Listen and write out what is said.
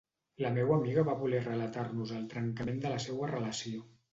La meua amiga va voler relatar-nos el trencament de la seua relació.